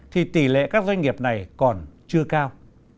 thì tỷ lệ các doanh nghiệp này còn chưa cao